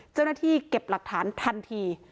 เจ้าหน้าที่เก็บหลักฐานทันที